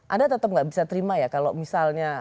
anda tetap nggak bisa terima ya kalau misalnya